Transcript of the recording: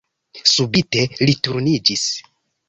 Subite li turniĝis.